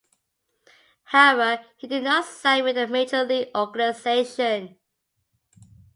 However, he did not sign with a major league organization.